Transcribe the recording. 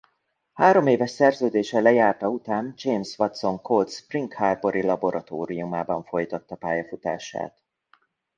Hároméves szerződése lejárta után James Watson Cold Spring Harbor-i laboratóriumában folytatta pályafutását.